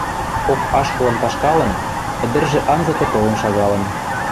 кок ашкылым ташкалын, ӹдӹржӹ анзыкы толын шагалын